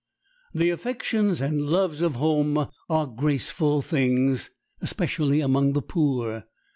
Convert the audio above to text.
The affections and loves of home are graceful things, especially among the poor.